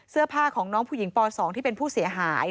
เสื้อผ้าของน้องผู้หญิงป๒ที่เป็นผู้เสียหาย